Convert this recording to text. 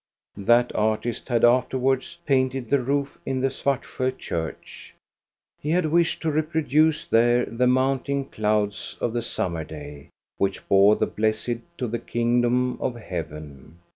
That artist had afterwards painted the roof in the Svartsjo church. He had wished to reproduce there the mounting clouds of the summer day, which bore the blessed to the kingdom of heaven.